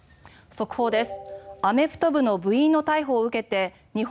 速報です。